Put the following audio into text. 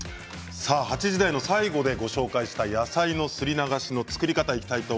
８時台の最後でご紹介した野菜のすり流しの作り方です。